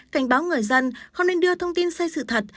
cảnh báo người dân không nên đưa thông tin sai sự thật